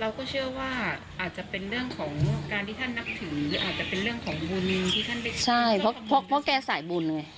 เราก็เชื่อว่าอาจจะเป็นเรื่องของการที่ท่านนับถืออาจจะเป็นเรื่องของบุญที่ท่านไม่ใช่เพราะแกสายบุญไง